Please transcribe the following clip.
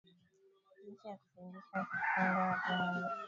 Jinsi ya kusindika unga wa viazi lishe